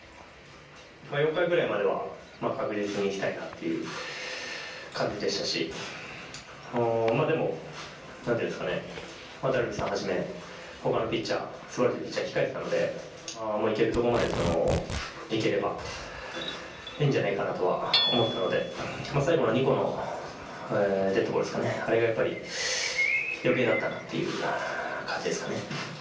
４回ぐらいまでは確実にいきたいなっていう感じでしたしでも、何ていうんですかね、ダルビッシュさんはじめ、他のピッチャー、すばらしいピッチャーが控えていたので、行けるところまでいければいいんじゃないかなとは思ったので最後の２個のデッドボールですかね、あれがやっぱり余計だったなという感じですかね。